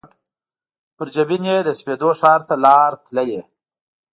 پر جبین یې د سپېدو ښار ته لار تللي